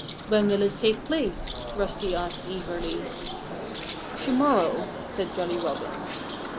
"When will it take place?" Rusty asked eagerly. "To morrow!" said Jolly Robin.